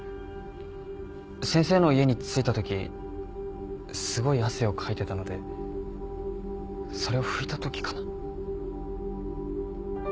先生の家に着いたときすごい汗をかいてたのでそれを拭いたときかな。